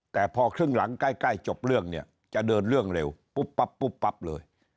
แต่พอครึ่งหลังใกล้จบเรื่องเนี่ยจะเดินเรื่องเร็วปุ๊บปั๊บปุ๊บปั๊บเลย